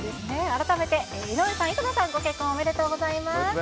改めて、井上さん、井戸田さん、ご結婚、おめでとうございます。